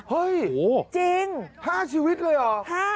เฮ้ยจริง๕ชีวิตเลยเหรอ